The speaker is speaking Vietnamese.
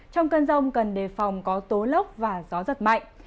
trong cơn rông cần đề phòng có tố lốc và gió giật mạnh